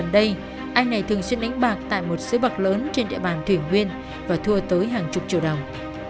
đây anh này thường xuyên đánh bạc tại một xứ bậc lớn trên địa bàn thuyền huyên và thua tới hàng chục triệu đồng